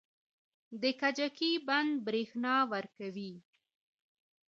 د کجکي بند بریښنا ورکوي